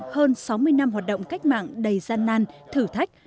hơn sáu mươi năm hoạt động cách mạng đầy gian nan thử thách